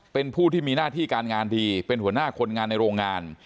เป็นผู้ที่มีหน้าที่การงานดีเป็นหัวหน้าคนงานในโรงงาน